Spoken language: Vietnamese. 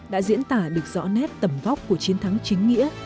đã diễn tả được rõ nét tầm góc của chiến thắng chính nghĩa